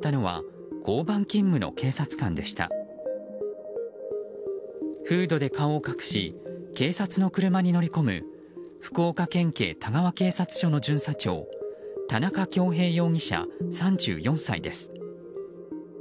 フードで顔を隠し警察の車に乗り込む福岡県警田川警察署の巡査長田中恭平容疑者、３４歳です。